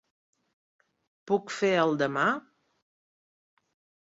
Puc fer el demà?